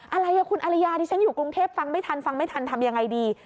อะไรคุณอริยาดิฉันอยู่กรุงเทพฟังไม่ทันฟังไม่ทันทำยังไงดี